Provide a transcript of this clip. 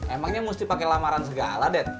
emangnya mesti pake lamaran segala